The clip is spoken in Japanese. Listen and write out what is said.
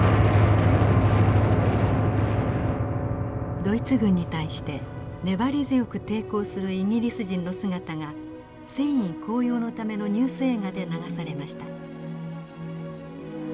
ドイツ軍に対して粘り強く抵抗するイギリス人の姿が戦意高揚のためのニュース映画で流されました。